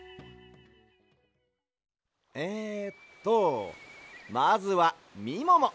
えっとまずはみもも！